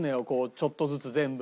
ちょっとずつ全部。